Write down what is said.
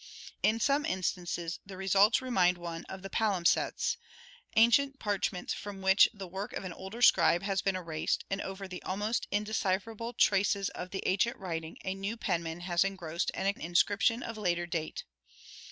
In some instances the results remind one of the palimpsests — ancient parchments from which the work of an older scribe has been erased and over the almost indecipherable traces of the ancient writing a new pen man has engrossed an inscription of later date.